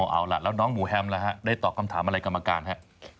เอาล่ะแล้วน้องหมูแฮมล่ะฮะได้ตอบคำถามอะไรกรรมการฮะ